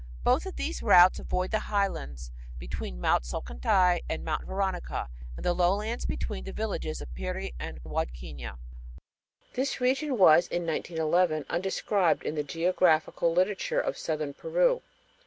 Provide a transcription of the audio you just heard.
Both of these routes avoid the highlands between Mt. Salcantay and Mt. Veronica and the lowlands between the villages of Piri and Huadquiña. This region was in 1911 undescribed in the geographical literature of southern Peru.